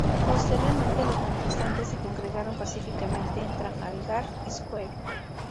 Posteriormente, los manifestantes se congregaron pacíficamente en Trafalgar Square.